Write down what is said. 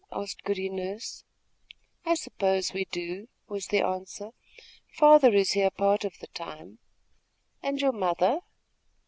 asked Goody Nurse. "I suppose we do," was the answer. "Father is here part of the time." "And your mother?"